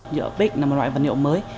giữa bic là một loại vật liệu mới